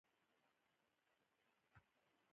نوې اسانتیا ژوند خوږوي